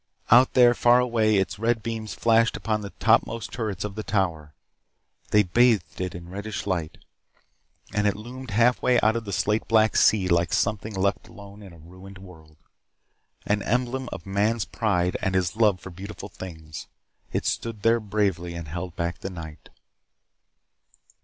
Out there, far away, its red beams flashed upon the topmost turrets of the Tower. They bathed it in reddish light, and it loomed halfway out of the slate black sea like something left alone in a ruined world. An emblem of man's pride and his love for beautiful things, it stood there bravely and held back the night.